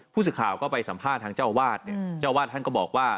ผู้สื่อข่าวก็ไปสัมภาษณ์ทางเจ้าวาดเนี่ยเจ้าวาดท่านก็บอกว่า